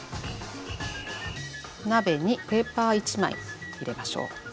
鍋にペーパー１枚入れましょう。